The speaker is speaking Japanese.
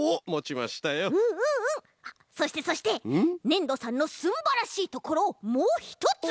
ねんどさんのすんばらしいところをもうひとつ！